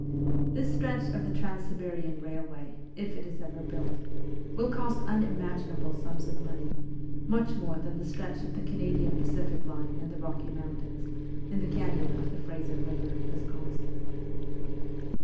This stretch of the Trans Siberian railway if it is ever built will cost unimagin able sums of money : much more than the stretch of the Canadian Pacific line in the Eocky Mountains, in the Canyon of the Fraser Biver, has cost.